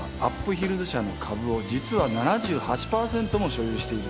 ヒルズ社の株を実は７８パーセントも所有していると。